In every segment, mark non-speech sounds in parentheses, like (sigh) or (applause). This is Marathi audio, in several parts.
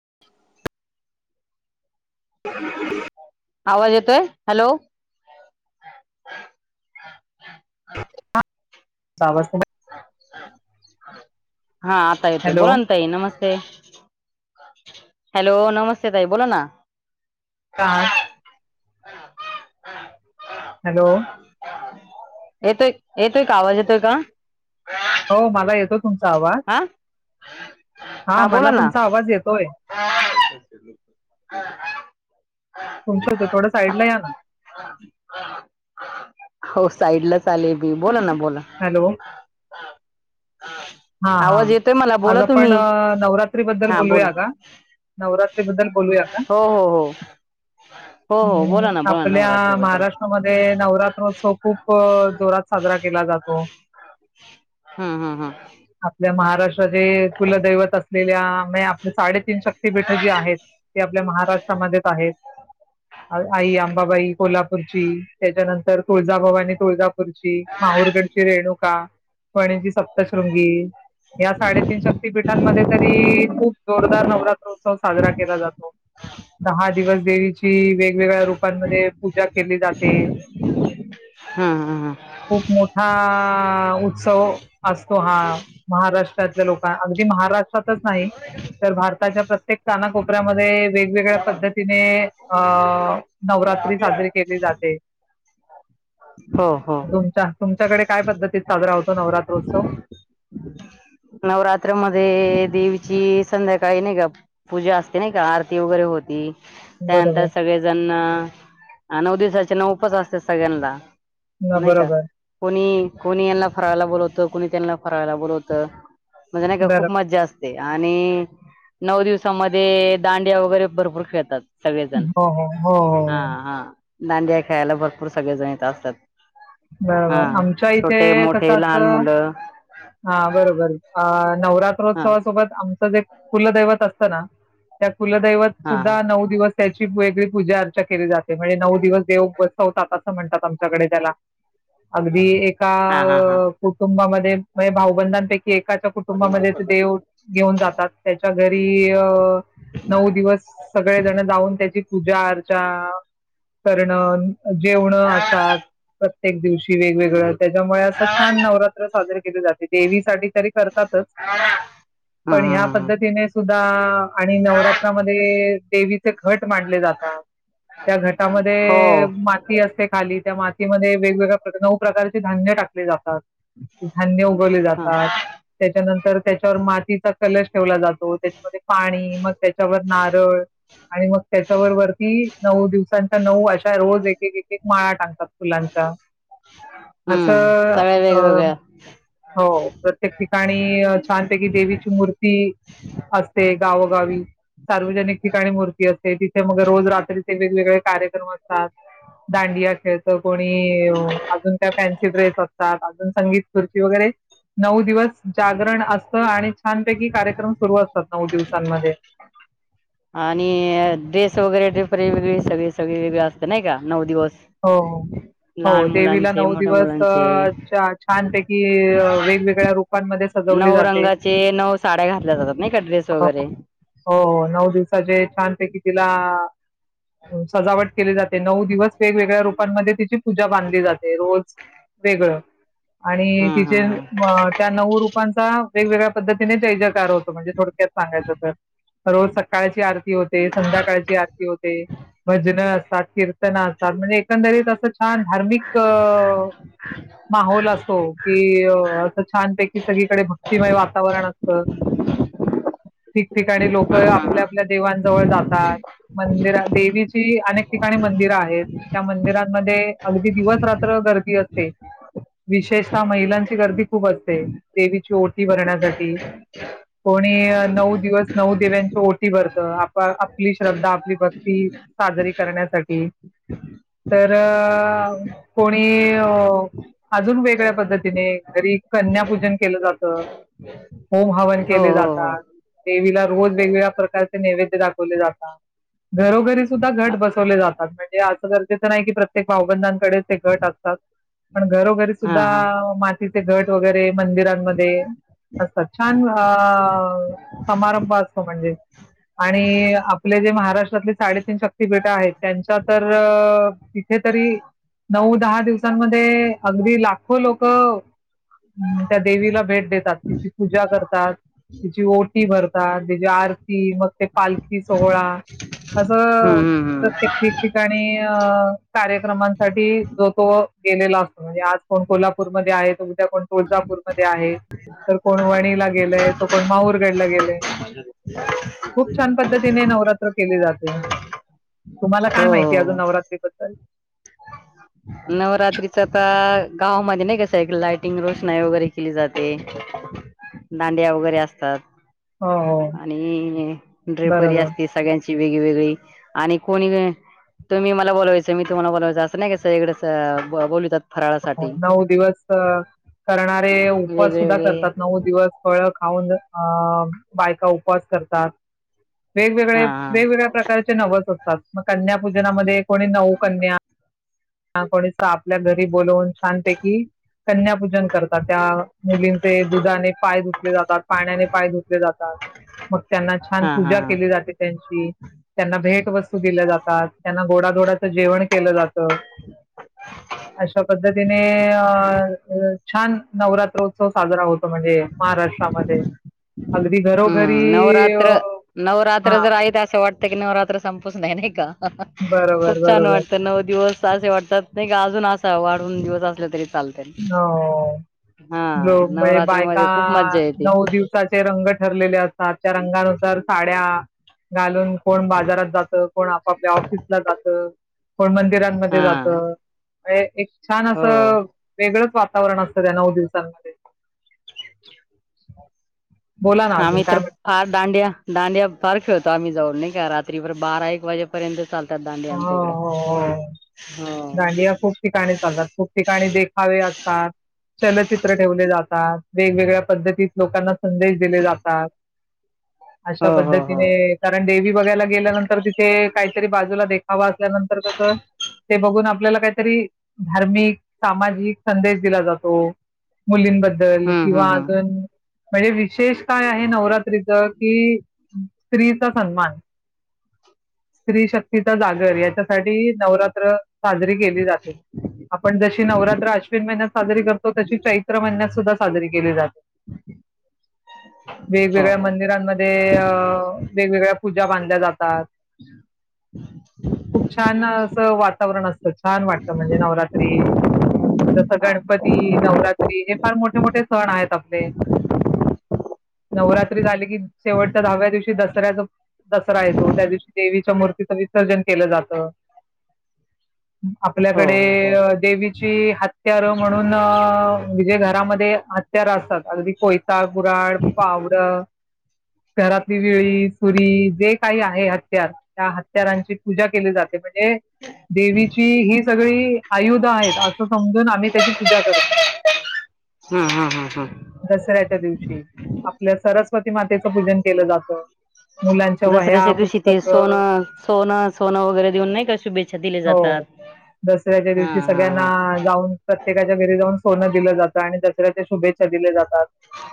(unintelligible) (inaudible) आवाज येतोय. हॅलो (unintelligible) (unintelligible) (inaudible) हा आता येतोय, हॅलो बोलान ताई नमस्ते, हॅलो नमस्ते ताई बोला ना, कात हॅलो येतोय एतोय का? आवाज येतोय का? हो मला येतो तुमचा आवाज हा हा हा, मला बोला ना तुमचा आवाज येतोय. तुमच्या थोड साईडला या ना हो, साईडलाच आले मी. बोला ना बोला हॅलो हा हा, आवाज येतोय मला आज बोला आपण तुम्ही नवरात्री बद्दल हा बोला बोलूया का? नवरात्री बद्दल बोलूया का? हो हो हो हो हो बोला ना बोला ना आपल्या नवरात्रीबद्दल महाराष्ट्रामध्ये नवरात्रोत्सव खूप जोरात साजरा केला जात् हो हं, हं, हं आपल्या महाराष्ट्र जे कुलदैवत अस दिल्या आपले साडेतीन शक्तीपीठ जी आहेत, ते आपल्या महाराष्ट्रामध्येच आहेत. आई अंबाबाई कोल्हापूरची, त्याच्यानंतर तुळजाभवानी तुळजा पूरची, माहूरगडची रेणुका पणजी स प्तश्रुंगी या साडेतीन शक्तीपीठांमध्ये तरी, खूप जोरदार नवरात्र हो उत्सव साजरा केला जातो. दहा दिवस देवीची वेगवेगळ्या रूपांमध्ये पूजा केली जाते हम्म हम्म हा उत्सव असतो हा महाराष्ट्रातल्या लोका, अगदी महाराष्ट्रातच नाही तर भारताच्या प्रत्येक कानाकोपऱ्यामध्ये वेगवेगळ्या पद्धतीने अ नवरात्री साजरीे केली जाते. हो हो तुमच्या तुमच्याकडे काय पद्धतीत साजरा होतो नवरात्र उत्स तव नवरात्रमध्ये देवीची संध्याकाळी नाही का, पूजा असते नाही का, आरती वगैरे होती. त्यानंतर बरोबर सगळेजण नऊ दिवसा तेना उपास असतात सगळ्यांना न नाही का, बरोबर कोणी कोणी यांना फराळला बोलवत कुणी त्यांना फराळाला बोलवतं म्हणजे नाही का खूप बरोबर मज्जा असते आणि नऊ दिवसामध्ये दांड्या वगैरे भरपूर खेळतात सगळेजण हो हो हा हा दांडिया खेळायला भरपूर सगळे जण येत असतात हा बरोबर आमच्या छोटे इथे कस मोठे असत लहान मुलं हा बरोबर अ हा नवरात्रोत्सवासोबत आमचं जे कुलदैवत असताना त्या कुलदैवत हा सुद्धा नऊ दिवस त्या वेगळी पूजा अर्चा केली जाते म्हणजे नऊ दिवस देव उ बसवतात असं म्हणतात आमच्याकडे त्याला अगदी एका हा हा हा कुटुंबामध्ये भावबंधांपेक्षा की एकाच्या कुटुंबामध्ये ते देव घेऊन जातात त्याच्या घरी नऊ दिवस सगळे जण जाऊन त्याची पूजा अर्चा करण जेवणं असतात प्रत्येक दिवशी वेगवेगळ त्याच्यामुळे असं छान नवरात्र साजरे केली जाते देवीसाठी तरी करतातच हा पण हा ह्या ह पद्धतीने सुद्धा द (unintelligible) आणि नवरात्रामध्ये ते घट मांडले जातात त्या हो घटामध्ये माती असते खाली त्या वेगवेगळ्या नऊ प्रकारचे धान्य टाकले जातात धान्य उगवले ह जातात त्याच्यानंतर त्याच्यावर माती चा कलश ठेवला जातो त्याच्यामध्ये पाणी मग त्याच्यावर नारळ आणि मग त्याच्यावर वरती नऊ दिवसांच्या नऊ अशा रोज एक एक एक माळा टांगतात फुलांचा हम्म असं सगळ्या अ‌ वेगवेगळ्या हो प्रत्येक ठिकाणी छा म्ह की देवीची मूर्ती असते दांडिया खेळतो कोणी अजून त्या फॅन्सी ड्रेस असतात अजून संगीत वरे नऊ दिवस जागरण असत आणि छानपैकी कार्यक्रम सुरू असतात नऊ दिवसांमध्ये आणि ड्रेस वगैरे वेगळी सगळे सगळे वेगळे असत नाही का नऊ दिवस हो हो लहान देवीला मुलांचे, नऊ मोठ्या दिवस मुलांचे छानपैकी कि वेगवेगळ्या रूपांमध्ये सजवली नऊ जाते रंगाचे नऊ साड्या घातल्या जातात नाही का ड्रेस वगैरे नऊ दिवसाचे छानपैकी तिला सजावट केले जाते नऊ दिवस वेगवेगळ्या रूपांमध्ये तिची पूजा बांधली जाते रोज वेगळं आणि हा हा तिचे त्या नऊ रूपांचा वेगवेगळ्या पद्धती त होतं म्हणजे थोडक्यात सांगायचं तर रोज सकाळची आरती होते संध्याकाळची आरती होते भजन असतात किर्तन असते ना म्हणजे एकंदरीत असं छान धार्मिक माहोल असतो की असं छानपैकी सगळीकडे भक्तिमय वातावरण अस ठिकठिकाणी लोक हा हा हा आपल्या हा आपल्या देवांजवळ जातात मंदिर देवीची अनेक ठिकाणी मंदिरं आहेत. त्या मंदिरांमध्ये अगदी दिवस रात्र गर्दी असते विशेषतः महिलांची गर्दी खूप असते देवीची ओटी भरण्यासाठी कोणी नऊ दिवस नऊ देव्यांची ओटी भरत आप आपली श्रद्धा आपली भक्ती साजरी करण्यासाठी तर अ कोणी अजून वेगळ्या पद्धतीने घरी कन्यापूजन केलं जातं. होम हवन हो केले हो हो जातात. देवीला रोज वेगवेगळ्या प्रकारचे नैवेद्य दाखवले जातात. घरोघरी सुद्धा घट बसवले जातात. असं गरजेचं नाही की प्रत्येक भाऊबंद डे ते घट असतात पण घरोघरी हा सुद्धा हा मातीचे घट वगैरे मंदिरांमध्ये असत छान समारंभ असतो म्हणजे आणि आपले जे महाराष्ट्र साडेतीन शक्ततीपेठ आहेत त्यांच्या तर तिथे तरी नऊ दहा दिवसांमध्ये अगदी लाखो लोक त्या देवीला भेट देतात तिची पूजा करतात तिची ओटी भरतात तिची आरती मग ते पालखी सोहळा हम्म असं हम्म हम्म प्रत्येक आणि अ कार्यक्रमांसाठी जो तो गेणे लाग म्हणजे आज कोण कोल्हापूरमध्येध्ये आहे (unintelligible) तुळजापूरमध्येध्ये आहे तर कोण वणीला गेलंय तर कोण माहरगडला गेला खूप छान पद्धतीने नवरात्र केले जाते अ ह (unintelligible) काय हो माहिती ए अजून हो नवरात्री बद्दल नवरात्रीचा ता गावामध्ये नाही का सगळीकडे लाइटिंग रोषणाई वगैरे केली जाते दांडिया वगैरे असतात हो हो आणि ड्रेपरी बरोबर असती सगळ्यांच ती वेग वगळी आणि कोणी तुम्ही मला बोलावायचं मी तुम्हाला बोलायचं अस नाही सगळीकड स बोलवीतात नऊ दिवस करणारे उपवास वेगळे सुद्धा वेगळे करतात नऊ दिवस फळ खाऊन अ बायका उपवास करतात वेगवेगळे हा हा वेगवेगळ्या प्रकारचे नवस असतात. मग कन्यापु ईन नामध्ये कोणी नऊ कन्या अ कोणी स आपल्या घ ती बोलून छानपैकी कन्यापूजन करतात त्या मुलींचे दुधाने पाय साग ते कि कन्या पुजन करतात त्या मुलीचे दुधाने पाय सागते कि कन्यापुजन करतात त्या मुलीचे दुधाने पाय धुतले जातात पाण्याने पाय धुतले जातात मग त्यांना छान हा हा पूजा हा केली जाते त्यांची त्यांना भेट वस्तू दिल्यात्या जातात त्यांना गोडा च गोडाच जेवण केलं जात अशा पद्धतीने अ अ छान नवरात्रोत्सव साजरा होतो म्हणजे महाराष्ट्रामध्ये अगदी घरोघरी हम्म नवरात्र हा त क नवरात्र संपस नाही का खूप बरोबर छान बरोबर वाटतं नऊ दिवस असे वाटतात नाही का अजून असा वाटत दोन दिवस असले तरी चालते हो हा लो म्हज बायक नवरात्रीमध्ये आआ खूप मज्जा येते नऊ दिवसाचे रंग ठरलेले असतात त्या रंगानु तर साड्या घालून कोण बाजारात जात कोण आपापल्या ऑफिसला जातं. कोण मंदिरांमध्ये हा जात! अ एक छान हो असं वेगळंच वातावरण असतं त्या नऊ दिवसांमध्ये. बोला ना हा अजून आम्ही काय तर म्हण- फार डांडिया दांडिया फार खेळतो, आम्ही जाऊन नेइका रात त्री बारा एक वाजेपर्यंत चालतात दांडीया आमच्या इकडे. हो दाडिया खूप ठिकाणी चालतात खूप ठिकाणी देखावे असतात, चलचित्र ठेवले जात वेगवेगळ्या पद्धतीत लोकांना संदेश दिले जातात. अशा हो हो हो पद्धतीने कारण देवी बगायला गेल्यानंतर तिथे काय तरी बाजूला देखावा असल्यानंतर कसं. ते बघून आपल्याला काहीतरी! धार्मिक, सामाजिक संदेश दिला जातो मुलींबद्दल ल हम्म किंवा हम्म हम्म अजून म्हणजे विशेष काय आहे नवर त्रीच की स्त्रीचा सन्मान. स्त्री शक्तीचा जागर, याच्यासाठी नवरात्र साजरी केली जाते. आपण जशी नवरात्र अश्विन महिन्यात साजरी करतो. तशी चैत्र महिन्यात सुद्धा साजरीे केली जाते. हो वेगवेगळ्या हो मंदिरांमध्ये वेगवेगळ्या पूजा बांधल्या जातात. खूप छान असं वातावरण असत. छान वाटत म्हणजे नवरात्री जस गणपती नवरात्री हे फार मोठे मोठे सण आहेत. आपले नवरात्री झाले की शेवटच्या दहाव्या दिवशी दसऱ्याच दसरा येतो. त्या दिवशी देवीच्या मूर्तीच विसर्जन केलं जात. हो आपल्याकडे हो हो देवीची. हत्यार म्हणून म्हणजे घरामध्ये हत्यार असतात. अगदी कोयता, कुराड, फावड घरातील विळी, सुरी जे काही आहे. हत्या त्या हत्यारांची पूजा केली जाते, म्हणजे देवीची ही सगळी आयुध आहेत असं समजून आम्ही त्याची पूजा करतो. हम् हम्. त्या दिवशी आपल्या सरस्वती मातेचं पूजन केलं जात. मुलांच्या वह्या पुस्तक. सोन सोन सोन वगैरे देऊन नाही का, शुच्छे हो दसऱ्याच्या दिवशी हा सगळ्यांना हा जाऊन प्रत्येकाच्या घरी जाऊन. सोनं दिलं जातं, आणि दसऱ्या च्या शुभेच्छा दिल्या जात.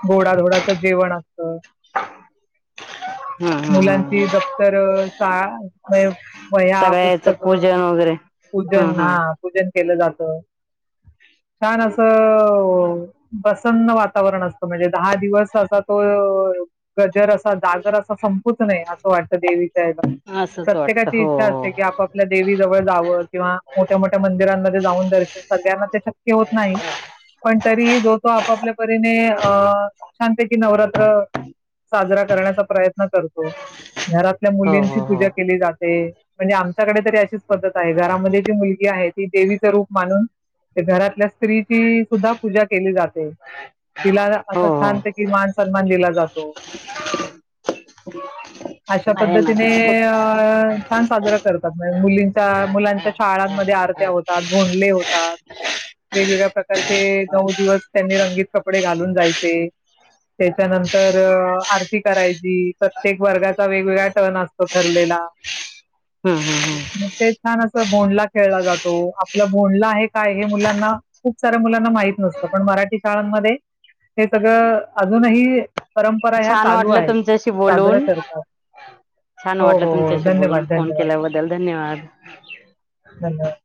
गोडा धोडा. जेवण असतं, हा हा मुलांची हा दफ्तर शाळा व्हया सगळ्याच पुस्तकं. पूजन वगैरे पूजन हा पूजन. केलं जात छान असं प्रसन्न वातावरण असतं, म्हणजे दहा दिवस अस तो गजर असा जागर असा संपूच नये असं वाटतं देवी. असंच वाटतं प्रत्येकाची हो इच्छा असते, की आपापल्या देवी व किंवा मोठ्या मो मंदिरामध्ये जाऊन दर्शन सगळ्यांना ते शक्य होत. नाही पण तरी जो तो आपापल्या परीने अ छानपैकी नवरात्र साजरा करण्याचा प्रयत्न करतो. घरातल्या हो मुलींची हो पूजा हो केली जाते. ते म्हणजे आमच्याकडे तरी अशी पद्धत आहे घरामध्ये जी मुलगी आहे ती देवीच रूप मानून घरातल्या स्त्रीची सुद्धा पूजा केली जाते. तिला हो असं हो छानत हो कि मान सन्मान दिला जातो. अशा आहे ना पद्धतीनेने खूप अ छान साजरा करतातमाय मुलीं त मुलांच्या शाळांमध्ये आरत्या होतात भोंडले होतात वेगवेगळ्या प्रकारचे नऊ दिवस त्यांनी रंगीत कपडे घालून जायचे त्याच्यानंतरअ आरती करायची प्रत्येक वर्गाचा वेगवेगळा टर्न असतो ठरलेला. हम्म हम्म हम्म ते छान असं भोंडला खेळला जातो. आपला भोंडला हे काय हे मुलांना खूप साऱ्या मुलांना माहित नसतं पण मराठी शाळांमध्ये हे सगळं अजूनही परंपरा ह्या छान चालू वाटलं आहेत. तुमच्याशी साजरा बोलून करतात. छान हो, वाटलं हो, हो. तुमच्याशी बोलून धन्यवाद, फोन धन्यवाद, केल्याबद्दल धन्यवाद धन्यवाद